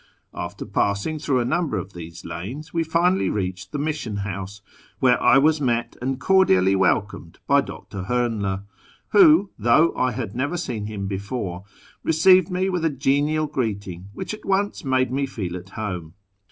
After passing through a uuuilu r ol' these lanes we finally reached the Mission House, where I was met and cordially welcomed by Dr. Hoernle, who, though I had never seen him before, received me with a genial greeting which at once made me feel at home.